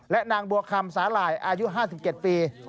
และนางบัวคำสาหร่ายอายุ๕๗ปี